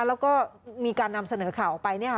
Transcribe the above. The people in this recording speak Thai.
แล้วก็มีการนำเสนอข่าวออกไปเนี่ยค่ะ